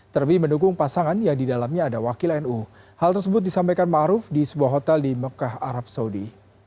terlebih mendukung pasangan yang di dalamnya ada wakil nu hal tersebut disampaikan ma'ruf di sebuah hotel di mecca arab saudi